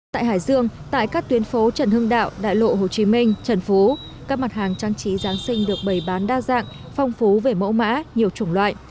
tại hải dương tại các tuyến phố trần hưng đạo đại lộ hồ chí minh trần phú các mặt hàng trang trí giáng sinh được bày bán đa dạng phong phú về mẫu mã nhiều chủng loại